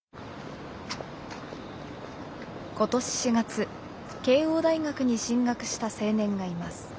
今年４月慶應大学に進学した青年がいます。